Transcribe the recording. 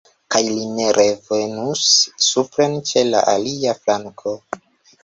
Kaj li revenus supren ĉe la alia flanko.